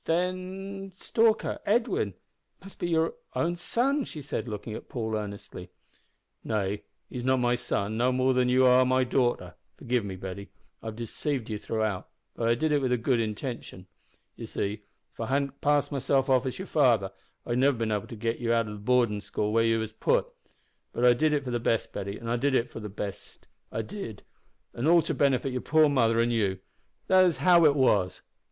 "Then Stalker Edwin must be your own son!" she said, looking at Paul earnestly. "Nay, he's not my son, no more than you are my daughter. Forgive me, Betty. I've deceived you throughout, but I did it with a good intention. You see, if I hadn't passed myself off as your father, I'd never have bin able to git ye out o' the boardin' school where ye was putt. But I did it for the best, Betty, I did it for the best; an' all to benefit your poor mother an' you. That is how it was."